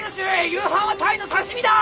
夕飯はタイの刺し身だ！